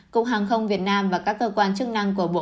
cục hàng không việt nam và các cơ quan chức năng của bộ